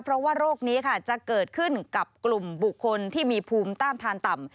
เพราะว่าโรคนี้ค่ะจะเกิดขึ้นกับกลุ่มบุคคลที่มีภูมิต้านทานต่ำ